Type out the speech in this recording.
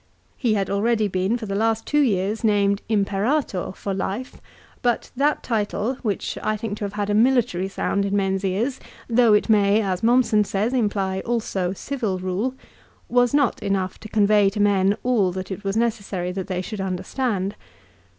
He had already been, for the last two years, named " Imperator " for life, but that title, which I think to have had a military sound in men's ears, though it may, as Mommsen says, imply also civil rule, was not enough to convey to men all that it was necessary that they should understand.